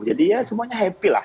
jadi ya semuanya happy lah